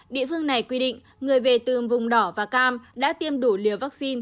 địa phương này quy định người về từ vùng đỏ và cam đã tiêm đủ liều vaccine